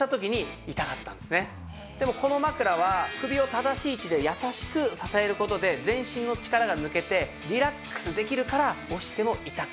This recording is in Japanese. でもこの枕は首を正しい位置で優しく支える事で全身の力が抜けてリラックスできるから押しても痛くない。